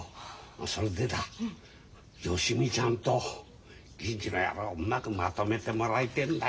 それでだ芳美ちゃんと銀次の野郎うまくまとめてもらいてえんだよ。